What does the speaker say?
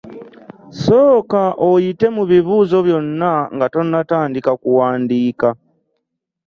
Sooka oyite mu bibuuzo byonna nga tonnatandika kuwandiika.